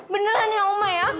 beneran ya oma